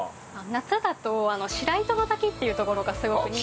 夏だと白糸の滝っていう所がすごく人気。